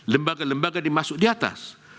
lembaga lembaga dimasuk diatas